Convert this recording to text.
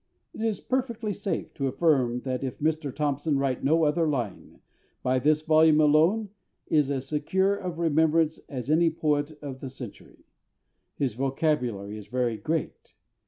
It is perfectly safe to affirm that if Mr THOMPSON write no other line, by this volume alone he is as secure of remembrance as any poet of the century. His vocabulary is very great....